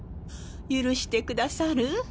許してくださる？